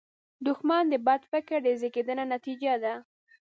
دښمن د بد فکر د زیږنده نتیجه ده